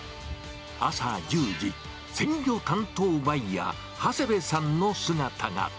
朝１０時、鮮魚担当バイヤー、長谷部さんの姿が。